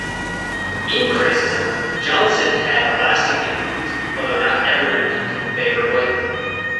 In criticism, Johnson had a lasting influence, although not everyone viewed him favourably.